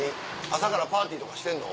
朝からパーティーとかしてんの？